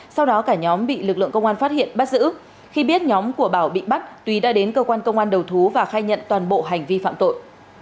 sau đó cả nhóm bị lực lượng công an phát hiện bắt giữ khi biết nhóm của bảo bị bắt túy đã đến cơ quan công an đầu thú và khai nhận toàn bộ hành vi phạm tội